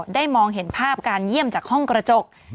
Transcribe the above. มองเห็นภาพการเยี่ยมจากห้องกระจก